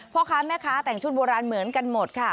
พ่อค้าแม่ค้าแต่งชุดโบราณเหมือนกันหมดค่ะ